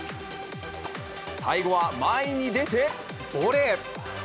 最後は、前に出てボレー。